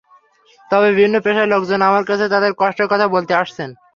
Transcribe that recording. তবে বিভিন্ন পেশার লোকজন আমার কাছে তাঁদের কষ্টের কথা বলতে আসছেন।